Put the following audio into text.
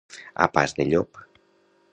A pas de llop.